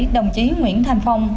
đồng chí nguyễn thanh phong